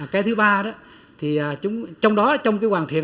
cái thứ ba đó trong đó trong hoàn thiện hệ thống